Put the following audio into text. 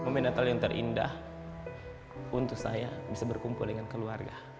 momenatel yang terindah untuk saya bisa berkumpul dengan keluarga